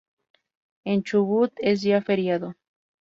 En Chubut es día feriado.